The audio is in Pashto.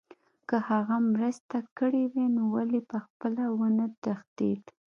که هغه مرسته کړې وای نو ولې پخپله ونه تښتېد